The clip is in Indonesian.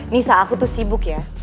nisa aku tuh sibuk ya